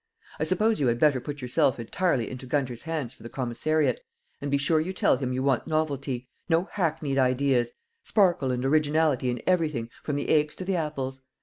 I suppose you had better put yourself entirely into Gunter's hands for the commissariat, and be sure you tell him you want novelty no hackneyed ideas; sparkle and originality in everything, from the eggs to the apples.